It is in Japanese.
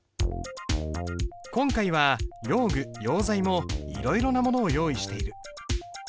今回は用具用材もいろいろなものを用意している。